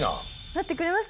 なってくれますか？